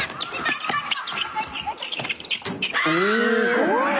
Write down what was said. すごい。